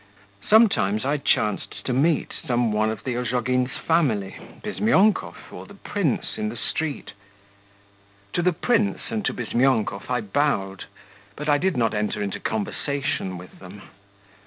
Sometimes I chanced to meet some one of the Ozhogins' family, Bizmyonkov, or the prince in the street.... To the prince and to Bizmyonkov I bowed, but I did not enter into conversation with them.